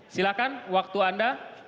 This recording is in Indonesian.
silahkan waktu anda